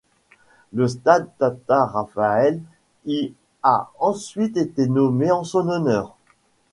Le stade Tata Raphaël y a ensuite été nommé en son honneur.